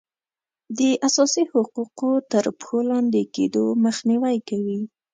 د اساسي حقوقو تر پښو لاندې کیدو مخنیوی کوي.